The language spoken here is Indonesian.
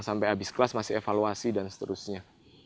sampai habis kelas masih evaluasi dan seterusnya